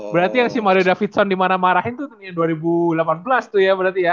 berarti yang si maria davidson dimana marahin tuh yang dua ribu delapan belas tuh ya berarti ya